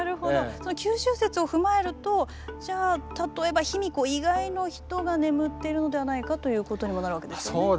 その九州説を踏まえるとじゃあ例えば卑弥呼以外の人が眠っているのではないかということにもなるわけですよね。